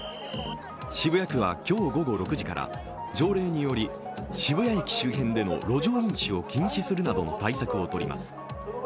渋谷区は今日午後６時から条例により渋谷駅周辺での路上飲酒を禁止するなどの対策を取ります。